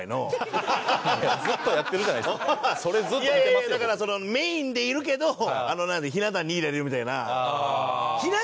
いやいやだからそのメインでいるけどひな壇にいられるみたいな。